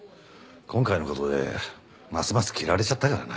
今回の事でますます嫌われちゃったからな。